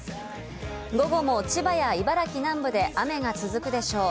午後も千葉や茨城南部で雨が続くでしょう。